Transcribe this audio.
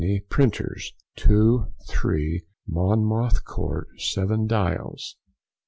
Printers, 2, 3, Monmouth, Court, Seven Dials.